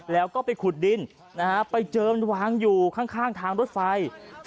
แล้วก็ไปขุดดินนะฮะไปเจอมันวางอยู่ข้างทางรถไฟ